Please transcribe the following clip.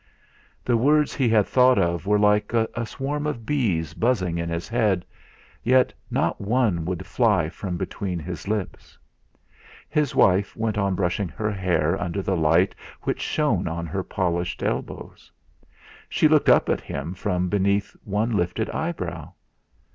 The words he had thought of were like a swarm of bees buzzing in his head, yet not one would fly from between his lips. His wife went on brushing her hair under the light which shone on her polished elbows. She looked up at him from beneath one lifted eyebrow.